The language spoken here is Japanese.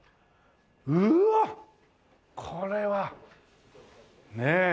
うわっこれは！ねえ。